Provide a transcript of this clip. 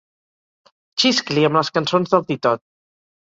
Xiscli amb les cançons del Titot.